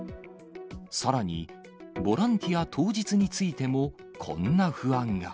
さらに、ボランティア当日についても、こんな不安が。